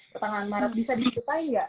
pertengahan maret bisa di cina ya